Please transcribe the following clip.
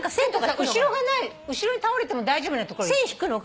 後ろがない後ろに倒れても大丈夫なところ。